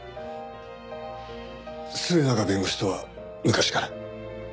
末永弁護士とは昔から？